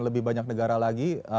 lebih banyak negara lagi